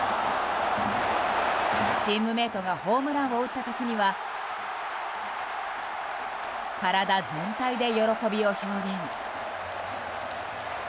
チームメートがホームランを打った時には体全体で喜びを表現。